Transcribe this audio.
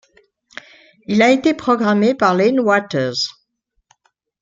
Il a été programmé par Lane Waters.